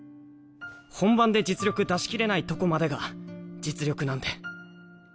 本番で実力出しきれないとこまでが実力なんで。